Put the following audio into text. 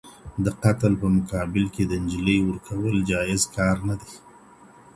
د قتل په مقابل کي د نجلۍ ورکول جائز کار نه دی.